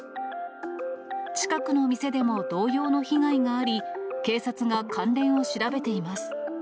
近くの店でも同様の被害があり、警察が関連を調べています。